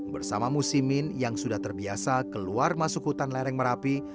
bersama musimin yang sudah terbiasa keluar masuk hutan lereng merapi